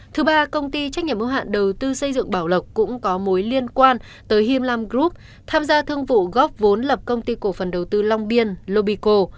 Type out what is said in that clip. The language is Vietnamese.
thứ ba công ty trách nhiệm ưu hạn đầu tư xây dựng bảo lộc cũng có mối liên quan tới him lam group tham gia thương vụ góp vốn lập công ty cổ phần đầu tư long biên lobico